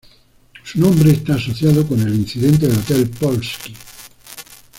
Su nombre está asociado con el incidente del Hotel Polski.